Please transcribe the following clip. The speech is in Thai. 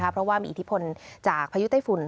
เพราะว่ามีอีทิพลจากพยุตไฟฝุ่น